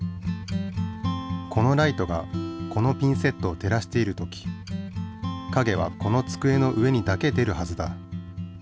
このライトがこのピンセットを照らしている時かげはこのつくえの上にだけ出るはずだ。